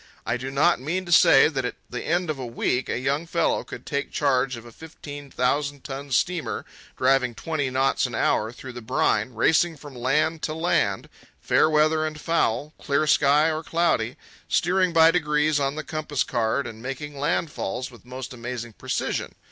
I do not mean to say that at the end of a week a young fellow could take charge of a fifteen thousand ton steamer, driving twenty knots an hour through the brine, racing from land to land, fair weather and foul, clear sky or cloudy, steering by degrees on the compass card and making landfalls with most amazing precision.